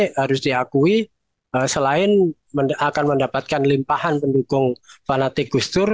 mahfud md harus diakui selain akan mendapatkan limpahan pendukung fanatik gus dur